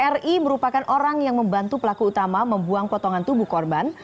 ri merupakan orang yang membantu pelaku utama membuang potongan tubuh korban